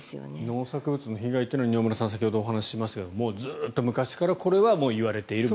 農作物の被害は、饒村さん先ほどお話ししましたがもうずっと昔からこれは言われている。